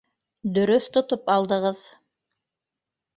Дөрөҫ тотоп алдығыҙ